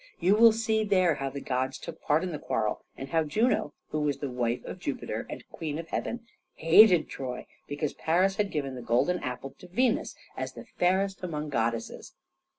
You will see there how the gods took part in the quarrel, and how Juno, who was the wife of Jupiter and queen of heaven, hated Troy because Paris had given the golden apple to Venus as the fairest among goddesses.